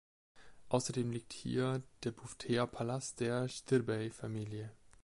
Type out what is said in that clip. Außerdem liegt hier der Buftea-Palast der Știrbei-Familie.